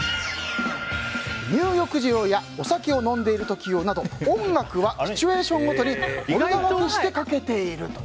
入浴時用やお酒を飲んでいる時用など音楽はシチュエーションごとにフォルダ分けしてかけていると。